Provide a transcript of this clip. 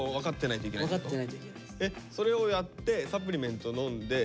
それをやってサプリメントのんでえ？